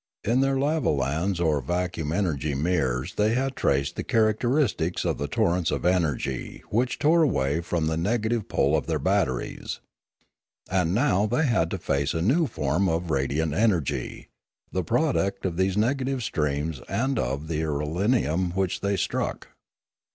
In their lavolans or vacuum energy mirrors they had traced the characteristics of the torrents of energy which tore away from the nega tive pole of their batteries. And now they had to face a new form of radiant energy, the product of these negative streams and of the irelium which they struck.